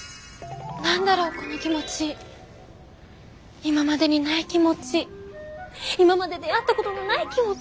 「何だろこの気持ち今までにない気持ち今まで出会ったことのない気持ち」。